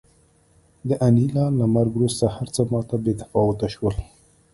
د انیلا له مرګ وروسته هرڅه ماته بې تفاوته شول